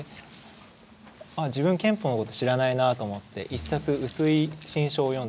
ああ自分憲法のことを知らないなと思って１冊薄い新書を読んでみたんです。